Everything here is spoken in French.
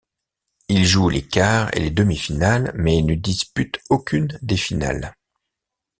Il joue les quarts et les demi-finales, mais ne dispute aucune des finales.